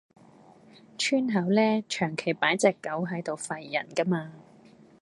村口呢，長期擺隻狗喺度吠人㗎嘛